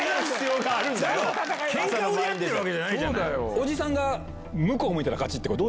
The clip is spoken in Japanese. おじさんが向こう向いたら勝ちってこと？